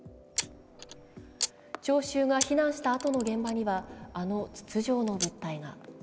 聴衆が避難したあとの現場にはあの筒状の物体が。